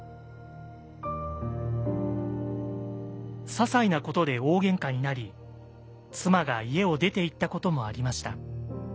ささいなことで大げんかになり妻が家を出ていったこともありました。